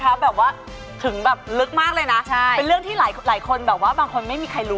ครับก็ถ้าผลงานล่ะครับก็เดี๋ยวเร็วนี้ก็จะได้ฟังเพลงใหม่กันครับ